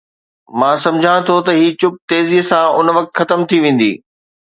مان سمجهان ٿو ته هي چپ تيزيءَ سان ان وقت ختم ٿي ويندي.